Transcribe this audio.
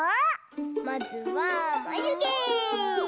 まずはまゆげ！